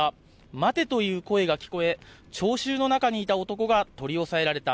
待てという声が聞こえて聴衆の中にいた男が取り押さえられた。